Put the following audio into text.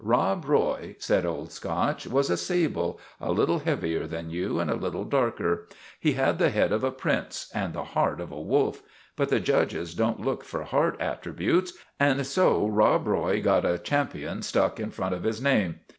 " Rob Roy," said Old Scotch, " was a sable, a little heavier than you, and a little darker. He had the head of a Prince and the heart of a wolf; but the judges don't look for heart attributes, and so Rob Roy got * Ch.' stuck in front of his name.